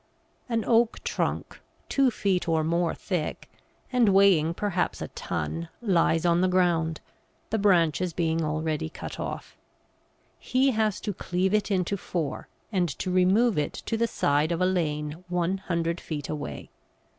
An oak trunk, two feet or more thick, and weighing perhaps a ton, lies on the ground, the branches being already cut off. He has to cleave it into four, and to remove it to the side of a lane one hundred feet away.